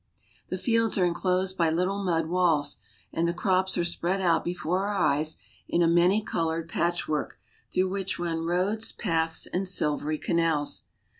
The fields are inclosed by little mud walls, and the crops are spread out before our eyes in a many colored patch work, through which run roads, paths, and silvery canals.